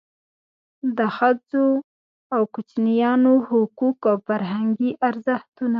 د ښځو او کوچنیانو حقوق او فرهنګي ارزښتونه.